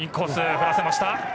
振らせました。